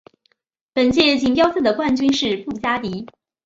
本届锦标赛的冠军是布加迪。